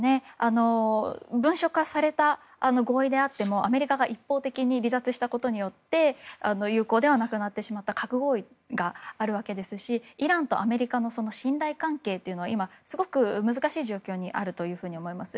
文書化された合意であってもアメリカが一方的に離脱したことによって有効ではなくなってしまった核合意があるわけですしイランとアメリカの信頼関係は今、すごく難しい状況にあると思います。